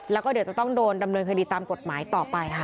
แล้วก็เดี๋ยวจะต้องโดนดำเนินคดีตามกฎหมายต่อไปค่ะ